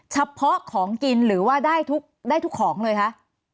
เฉพาะของกินหรือว่าได้ทุกของเลยคะ